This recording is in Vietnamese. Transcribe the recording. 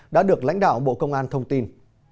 đã được lãnh đạo bộ công an thông tin